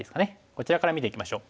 こちらから見ていきましょう。